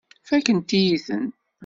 Fakkent-iyi-ten.